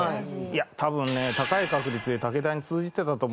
いや多分ね高い確率で武田に通じてたと思います。